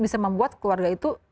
bisa membuat keluarga itu